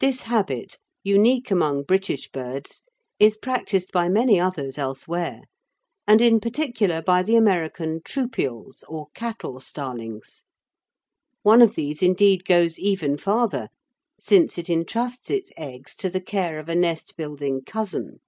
This habit, unique among British birds, is practised by many others elsewhere, and in particular by the American troupials, or cattle starlings. One of these indeed goes even farther, since it entrusts its eggs to the care of a nest building cousin.